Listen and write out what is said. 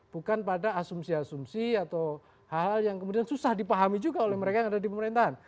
bukan pada asumsi asumsi atau hal hal yang kemudian susah dipahami juga oleh mereka yang ada di pemerintahan